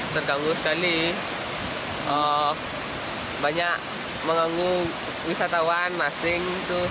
terganggu sekali banyak mengganggu wisatawan asing